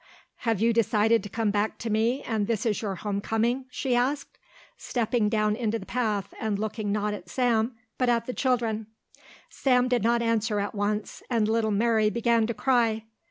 "Have you decided to come back to me and is this your home coming?" she asked, stepping down into the path and looking not at Sam but at the children. Sam did not answer at once, and little Mary began to cry.